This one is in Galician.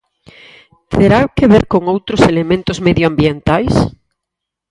¿Terá que ver con outros elementos medioambientais?